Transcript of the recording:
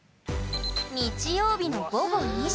日曜日の午後２時。